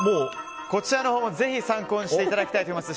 こちらのほうもぜひ参考にしていただきたいと思います。